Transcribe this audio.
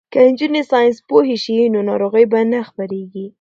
که نجونې ساینس پوهې شي نو ناروغۍ به نه خپریږي.